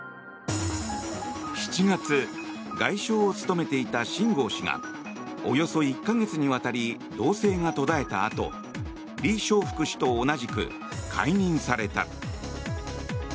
７月、外相を務めていた秦剛氏がおよそ１か月にわたり動静が途絶えたあとリ・ショウフク氏と同じく解任された。